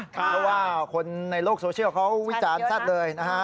เพราะว่าคนในโลกโซเชียลเขาวิจารณ์แซ่บเลยนะฮะ